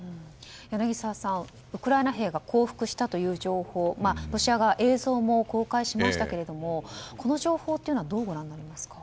柳澤さん、ウクライナ兵が降伏したという情報ロシア側は映像も公開しましたけどこの情報というのはどうご覧になりますか。